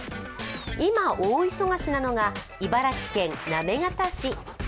今、大忙しなのが茨城県行方市。